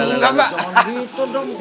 oh jangan gitu dong